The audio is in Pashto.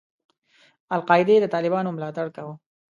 القاعدې د طالبانو ملاتړ کاوه.